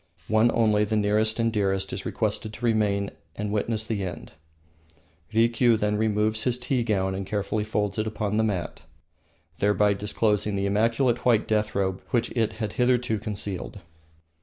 One only, the nearest and dearest, is requested to remain and witness the end. Rikiu then removes his tea gown and carefully folds it upon the mat, thereby disclosing the immaculate white death robe which it had hitherto concealed.